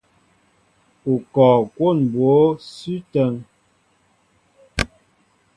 U kɔɔ kwón mbǒ sʉ́ ítə́ŋ?